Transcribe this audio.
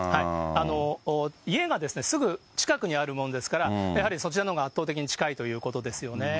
家がすぐ近くにあるものですから、やはりそちらのほうが圧倒的に近いということですよね。